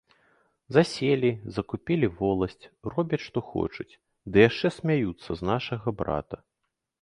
Заселі, закупілі воласць, робяць што хочуць, ды яшчэ смяюцца з нашага брата.